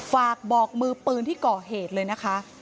ฝากบอกมือปืนที่ก่อเหตุเลยนะคะ